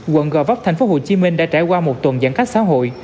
quận gò vấp thành phố hồ chí minh đã trải qua một tuần giãn cách xã hội